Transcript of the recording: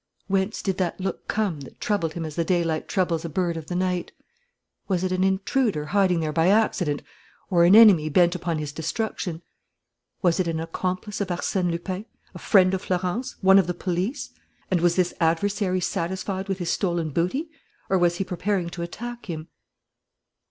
Whence did that look come that troubled him as the daylight troubles a bird of the night? Was it an intruder hiding there by accident, or an enemy bent upon his destruction? Was it an accomplice of Arsène Lupin, a friend of Florence, one of the police? And was this adversary satisfied with his stolen booty, or was he preparing to attack him?